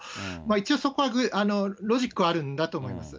一応そこはロジックはあるんだと思います。